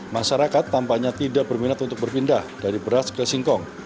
masyarakat tampaknya tidak berminat untuk berpindah dari beras ke singkong